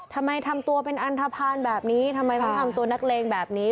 ทำตัวเป็นอันทภาณแบบนี้ทำไมต้องทำตัวนักเลงแบบนี้